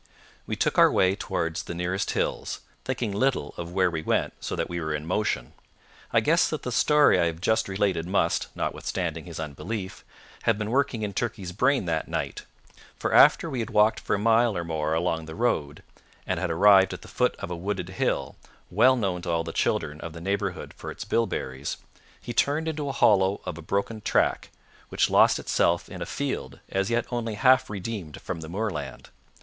We took our way towards the nearest hills, thinking little of where we went so that we were in motion. I guess that the story I have just related must, notwithstanding his unbelief, have been working in Turkey's brain that night, for after we had walked for a mile or more along the road, and had arrived at the foot of a wooded hill, well known to all the children of the neighbourhood for its bilberries, he turned into the hollow of a broken track, which lost itself in a field as yet only half redeemed from the moorland.